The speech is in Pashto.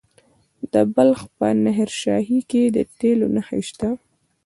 د بلخ په نهر شاهي کې د تیلو نښې شته.